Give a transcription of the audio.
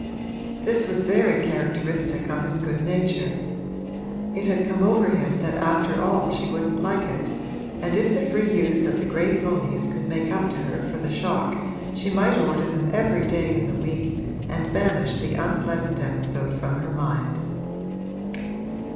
This was very characteristic of his good nature; it had come over him that after all she wouldn't like it, and if the free use of the gray ponies could make up to her for the shock she might order them every day in the week and banish the unpleasant episode from her mind.